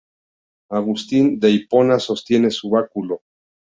Agustín de Hipona sostiene su báculo.